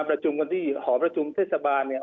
มาประจุบวันที่หอพระจุทธิศสบานเนี่ย